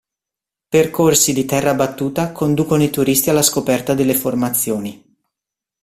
Percorsi di terra battuta conducono i turisti alla scoperta delle formazioni.